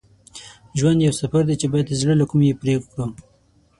ژوند یو سفر دی چې باید د زړه له کومي پرې کړو.